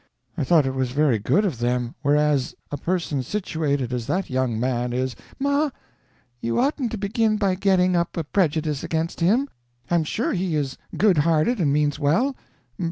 I thought it was very good of them, whereas a person situated as that young man is " "Ma, you oughtn't to begin by getting up a prejudice against him. I'm sure he is good hearted and means well.